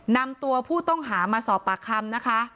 นำตัวผู้ต้องหามาสอบปากคำนะคะ